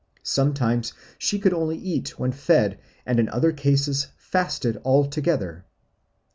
Sometimes she could eat only when fed and in other cases fasted altogether."